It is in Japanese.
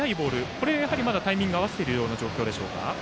これにタイミングを合わせている状況でしょうか。